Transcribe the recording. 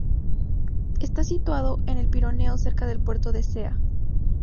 Está situado en El Pireo, cerca del puerto de Zea.